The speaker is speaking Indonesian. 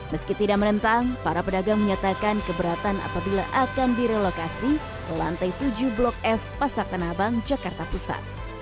meski tidak menentang para pedagang menyatakan keberatan apabila akan direlokasi ke lantai tujuh blok f pasar tanah abang jakarta pusat